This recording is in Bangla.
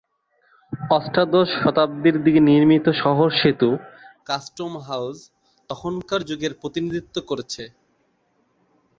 অষ্টাদশ শতাব্দির দিকে নির্মিত শহর সেতু, কাস্টম হাউজ তখনকার যুগের প্রতিনিধিত্ব করছে।